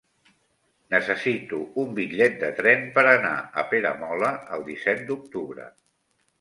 Necessito un bitllet de tren per anar a Peramola el disset d'octubre.